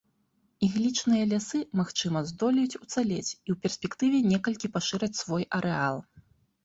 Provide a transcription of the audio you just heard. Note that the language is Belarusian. Іглічныя лясы, магчыма, здолеюць уцалець і ў перспектыве некалькі пашыраць свой арэал.